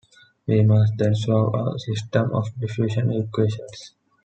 We must then solve a system of diffusion equations.